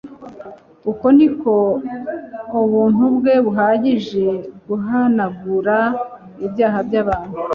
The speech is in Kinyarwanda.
Uko niko ubuntu bwe buhagije guhanagura ibyaha by'abantu,